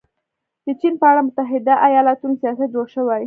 د چین په اړه د متحده ایالتونو سیاست جوړ شوی.